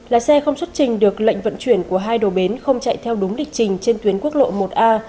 lái xe không xuất trình được lệnh vận chuyển của hai đồ bến không chạy theo đúng lịch trình trên tuyến quốc lộ một a